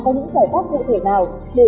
có những giải pháp dự thể nào để